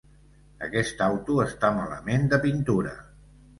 Aquest auto està malament de pintura.